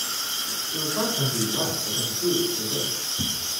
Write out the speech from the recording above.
It was hard for him to eat less because the food was so good.